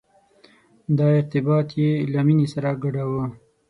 دا ارتباط یې له مینې سره ګډاوه.